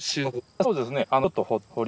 そうですね。